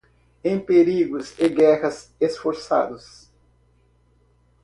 Em perigos e guerras esforçados